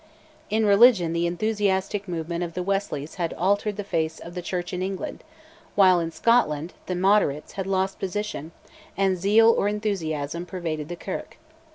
In religion the enthusiastic movement of the Wesleys had altered the face of the Church in England, while in Scotland the "Moderates" had lost position, and "zeal" or enthusiasm pervaded the Kirk.